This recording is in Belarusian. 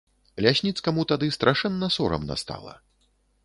Лясніцкаму тады страшэнна сорамна стала.